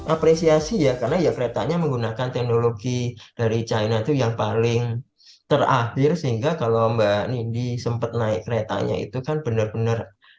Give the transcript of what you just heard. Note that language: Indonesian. apresiasi ya karena ya keretanya menggunakan teknologi dari china itu yang paling terakhir sehingga kalau mbak nindi sempat naik keretanya itu kan benar benar